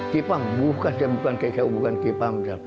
kipang bukan saya bukan kku bukan kipang